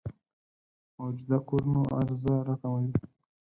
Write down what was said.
موجوده کورونو عرضه راکموي.